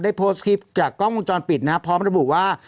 โพสต์คลิปจากกล้องวงจรปิดนะครับพร้อมระบุว่า